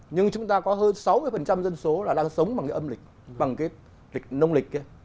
nhưng chúng ta có hơn sáu mươi dân số là đang sống bằng cái âm lịch bằng cái lịch nông lịch kia